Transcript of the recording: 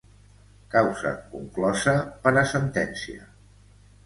Causa conclusa per a sentència.